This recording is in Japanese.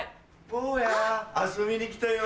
坊や遊びに来たよ。